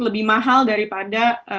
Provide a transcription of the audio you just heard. lebih mahal daripada